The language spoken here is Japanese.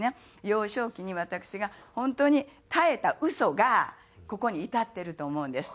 幼少期に私が本当に耐えたウソがここに至ってると思うんです。